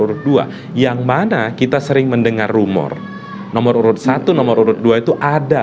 nomor urut dua yang mana kita sering mendengar rumor nomor urut satu nomor urut dua itu ada